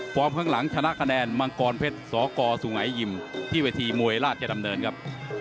ข้างหลังชนะคะแนนมังกรเพชรสกสุงัยยิมที่เวทีมวยราชดำเนินครับ